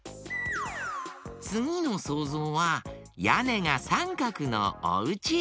つぎのそうぞうはやねがサンカクのおうち。